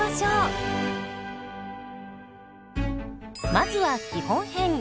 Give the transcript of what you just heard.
まずは基本編。